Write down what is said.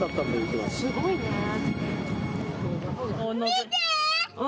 見て！